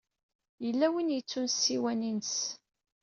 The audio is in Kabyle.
Yella win i yettun ssiwan-is.